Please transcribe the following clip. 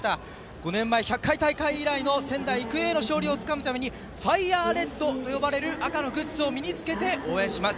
５年前、１００回大会以来の仙台育英への勝利をつかむためにファイヤーレッドという赤のグッズを身につけて応援します。